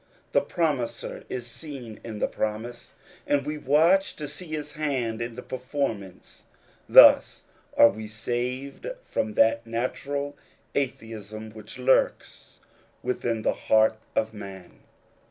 The Promiser is seen in the promise, and we watch to see his hand in the performance ; thus are we saved from that natural atheism which lurks within the heart of man.